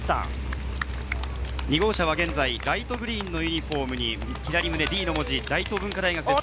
２号車は現在、ライトグリーンのユニホームに左胸「Ｄ」の文字、大東文化大学です。